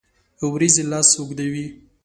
اوریځې لاس اوږدوي